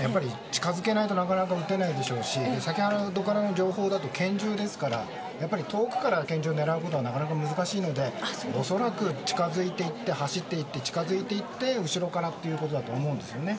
近づけないとなかなか撃てないでしょうし先ほどからの情報だと拳銃ですからやっぱり遠くから拳銃で狙うことはなかなか難しいので恐らく走って近づいていって後ろからということだと思うんですね。